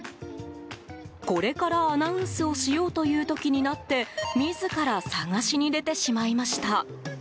これからアナウンスをしようという時になって自ら、捜しに出てしまいました。